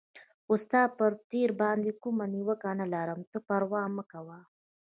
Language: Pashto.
خو زه ستا پر تېر باندې کومه نیوکه نه لرم، ته پروا مه کوه.